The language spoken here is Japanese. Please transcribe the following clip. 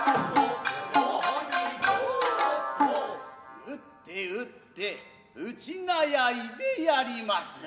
打って打って打ちなやいでやりまする。